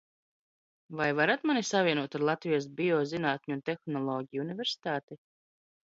Vai varat mani savienot ar Latvijas Biozinātņu un tehnoloģiju universitāti?